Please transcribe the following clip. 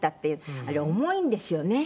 あれ重いんですよね？